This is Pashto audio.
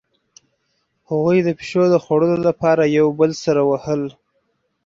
هغوی د پیشو د خوړلو لپاره یو بل سره وهل